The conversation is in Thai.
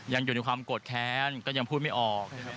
ยังอยู่ในความโกรธแค้นก็ยังพูดไม่ออก